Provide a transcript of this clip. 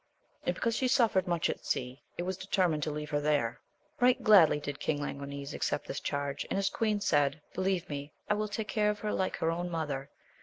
And because she suffered much at sea it was de termined to leave her there. Eight gladly did King Languines accept this charge, and his queen said, Believe me, I will take care of her like her own mother.